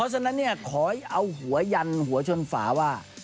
เพราะฉะนั้นนี่ขอเอาหัวยันหัวชนฝาว่า